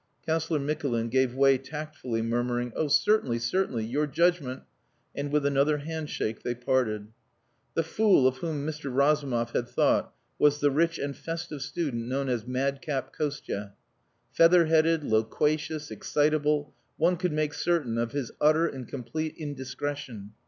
Councillor Mikulin gave way tactfully, murmuring, "Oh, certainly, certainly. Your judgment..." And with another handshake they parted. The fool of whom Mr. Razumov had thought was the rich and festive student known as madcap Kostia. Feather headed, loquacious, excitable, one could make certain of his utter and complete indiscretion.